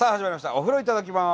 「お風呂いただきます」。